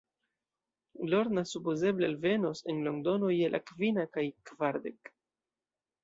Lorna supozeble alvenos en Londono je la kvina kaj kvardek.